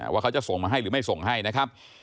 ว่าเขาจะส่งมาให้หรือไม่ส่งให้นะครับ